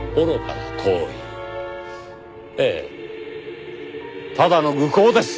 ええただの愚行です！